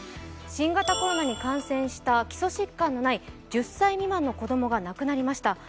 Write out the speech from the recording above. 新型コロナに感染した基礎疾患のない１０歳未満の子供が亡くなりました。